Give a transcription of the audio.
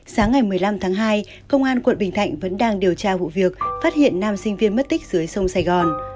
sáng ngày một mươi năm tháng hai công an tp hcm vẫn đang điều tra vụ việc phát hiện nam sinh viên mất tích dưới sông sài gòn